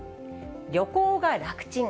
旅行が楽ちん？